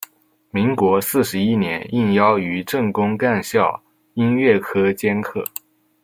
民国四十一年应邀于政工干校音乐科兼课。